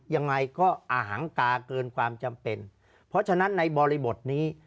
ยังไงก็อหังกาเกินความจำเป็นเพราะฉะนั้นในบริบทนี้